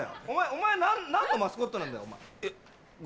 お前何のマスコットなんだよ？